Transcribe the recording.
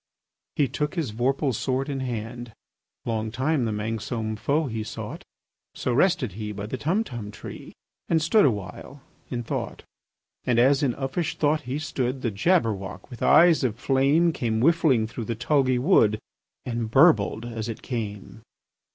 He took his vorpal sword in hand: Long time the manxome foe he sought So rested he by the Tumtum tree, And stood awhile in thought. And, as in uffish thought he stood, The Jabberwock, with eyes of flame, Came whiffling through the tulgey wood, And burbled as it came!